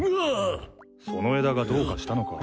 その枝がどうかしたのか？